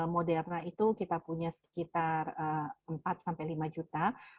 moderna itu kita punya sekitar empat sampai lima juta